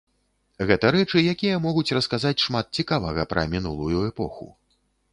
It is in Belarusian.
Гэта рэчы, якія могуць расказаць шмат цікавага пра мінулую эпоху.